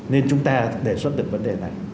nên chúng ta đề xuất được vấn đề này